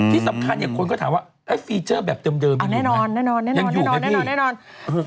ที่สำคัญอยากค้นก็ถามว่ามีฟีเจอร์แบบเดิมยังอยู่ไหม